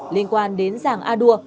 liên quan đến giàng a đua